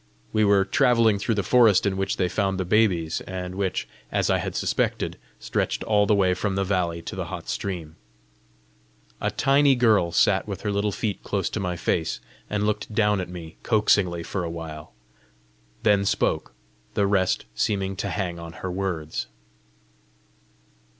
We were travelling through the forest in which they found the babies, and which, as I had suspected, stretched all the way from the valley to the hot stream. A tiny girl sat with her little feet close to my face, and looked down at me coaxingly for a while, then spoke, the rest seeming to hang on her words.